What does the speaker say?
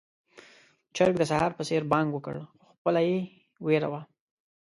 چرګ د سهار په څېر بانګ وکړ، خو پخپله يې وېره وه.